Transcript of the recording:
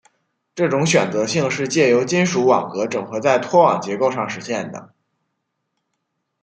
这种选择性是藉由金属网格整合在拖网结构上实现的。